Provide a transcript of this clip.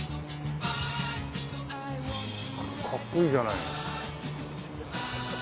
かっこいいじゃないの。